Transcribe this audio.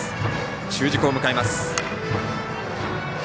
中軸を迎えます。